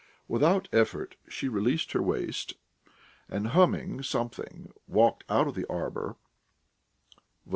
Without effort she released her waist, and, humming something, walked out of the arbour.